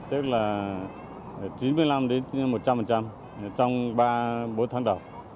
trong ba bốn tháng đầu